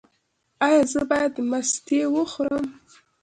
ایا زه باید مستې وخورم؟